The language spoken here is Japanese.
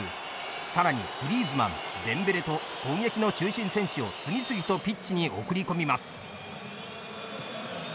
さらにグリーズマン、デンベレと攻撃の中心選手を次々とピッチに送り込みます。